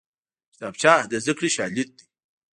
کتابچه د زدکړې شاليد دی